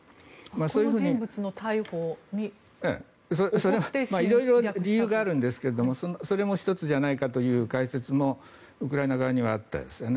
それは色々理由があるんですがそれも１つではないかという解説がウクライナ側にはあったようですね。